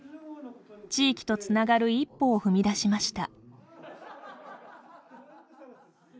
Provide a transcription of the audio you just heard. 地域とつながる一歩を踏み出しました。